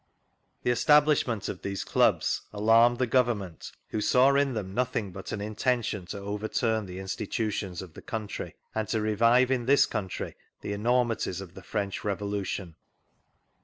The establishment of these clubs alarmed the Government, who saw in them nothing but an intention to overturn the institutions of the country, and to revive in this country the enormities of the French Revolution.